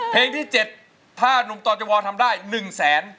เพลงที่๗ถ้านุ่มต่อเจาวอร์ทำได้๑๐๐๐๐๐บาท